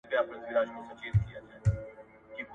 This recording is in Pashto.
په کوم ډول د خشونت کچه کمه سي؟